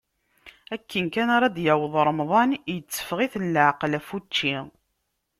Akken kan ara d-yaweḍ remḍan, itteffeɣ-iten leɛqel ɣef učči.